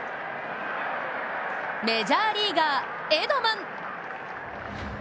メジャーリーガー、エドマン。